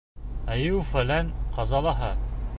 — Айыу-фәлән ҡазалаһа?